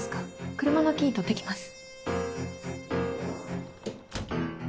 車のキー取ってきます。